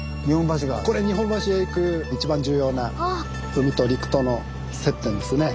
これ日本橋へ行くいちばん重要な海と陸との接点ですね。